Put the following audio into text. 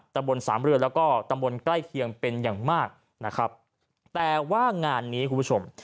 ตำบลสามเรือแล้วก็ตำบลใกล้เคียงเป็นอย่างมากนะครับแต่ว่างานนี้คุณผู้ชม